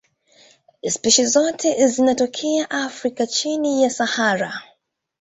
Spishi zote zinatokea Afrika chini ya Sahara.